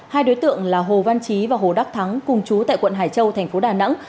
hai đối tượng là hồ văn trí và hồ đắc thắng cùng chú tại quận hải châu thành phố đà nẵng